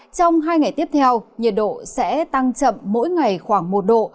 trong hai ngày tiếp theo nhiệt độ sẽ tăng chậm mỗi ngày khoảng một độ